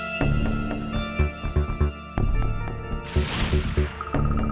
tante aku mau nyelepon